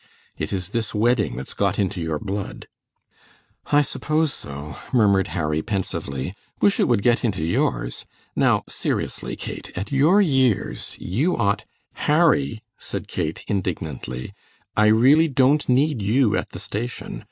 It is this wedding that's got into your blood." "I suppose so," murmured Harry, pensively; "wish it would get into yours. Now seriously, Kate, at your years you ought " "Harry," said Kate, indignantly, "I really don't need you at the station.